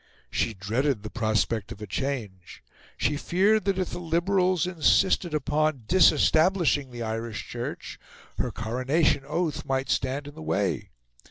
She dreaded the prospect of a change; she feared that if the Liberals insisted upon disestablishing the Irish Church, her Coronation Oath might stand in the way.